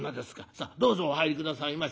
さあどうぞお入り下さいまし。